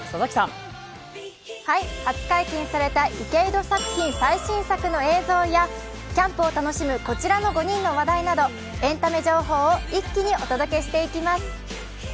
初解禁された池井戸作品の公開やキャンプを楽しむこちらの５人の情報など、エンタメ情報を一気にお届けしていきます。